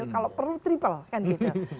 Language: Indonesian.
kalau perlu triple kan gitu